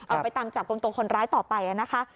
ไปตามจับกลุ่มตัวคนร้ายต่อไปนะคะ